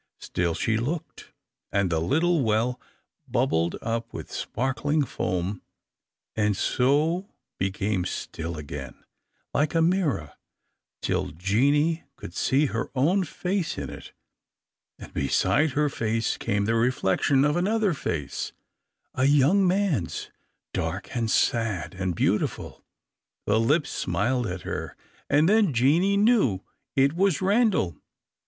Still she looked, and the little well bubbled up with sparkling foam, and so became still again, like a mirror, till Jeanie could see her own face in it, and beside her face came the reflection of another face, a young man's, dark, and sad, and beautiful. The lips smiled at her, and then Jeanie knew it was Randal.